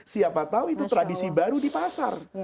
siapa tahu itu tradisi baru di pasar